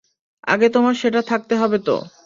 আগে তোমার সেটা থাকতে হবে তো?